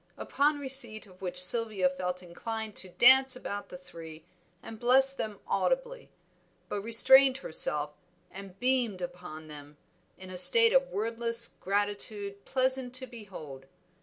Upon receipt of which Sylvia felt inclined to dance about the three and bless them audibly, but restrained herself, and beamed upon them in a state of wordless gratitude pleasant to behold.